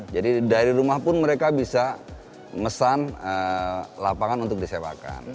jadi dari rumah pun mereka bisa mesan lapangan untuk disewakan